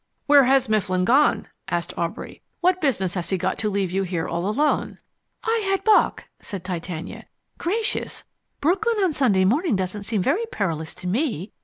"Where has Mifflin gone?" asked Aubrey. "What business has he got to leave you here all alone?" "I had Bock," said Titania. "Gracious, Brooklyn on Sunday morning doesn't seem very perilous to me.